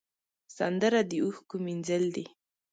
سندره د اوښکو مینځل دي